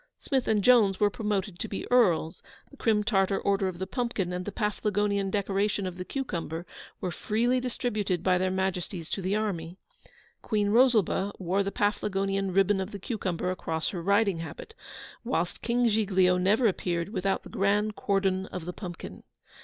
Smith and Jones were promoted to be Earls; the Crim Tartar Order of the Pumpkin and the Paflagonian decoration of the Cucumber were freely distributed by their Majesties to the army. Queen Rosalba wore the Paflagonian Ribbon of the Cucumber across her riding habit, whilst King Giglio never appeared without the grand Cordon of the Pumpkin.